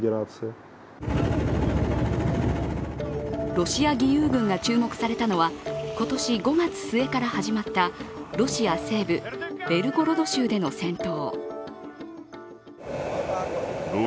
ロシア義勇軍が注目されたのは今年５月末から始まったロシア西部ベルゴロド州での戦闘。